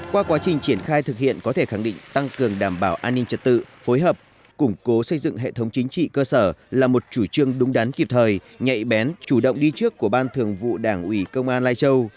qua quá trình triển khai thực hiện có thể khẳng định tăng cường đảm bảo an ninh trật tự phối hợp củng cố xây dựng hệ thống chính trị cơ sở là một chủ trương đúng đắn kịp thời nhạy bén chủ động đi trước của ban thường vụ đảng ủy công an lai châu